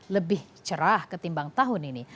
lebih cerah ketimbang tahun ini